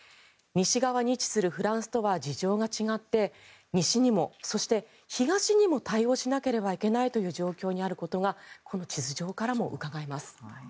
西側に位置するフランスとは事情が違って西にも、そして東にも対応しなければいけないという状況にあることがこの地図上からもうかがえます。